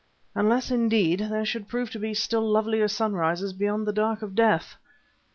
Unless indeed there should prove to be still lovelier sunrises beyond the dark of death!